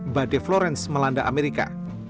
mbak de florence melanda amerika